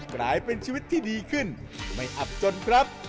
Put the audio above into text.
กลายเป็นชีวิตที่ดีขึ้นไม่อับจนครับ